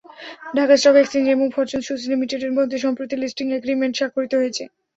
Dhaka stock exchange এবং Fortune shoes লিমিটেডের মধ্যে সম্প্রতি লিস্টিং অ্যাগ্রিমেন্ট স্বাক্ষরিত হয়েছে।